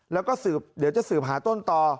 แล้วก็สืบเดี๋ยวจะสืบหาต้นต่อ